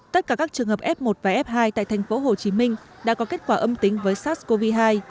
tất cả các trường hợp f một và f hai tại thành phố hồ chí minh đã có kết quả âm tính với sars cov hai